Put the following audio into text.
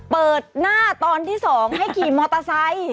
เปิดหน้าตอนที่๒ให้ขี่มอเตอร์ไซค์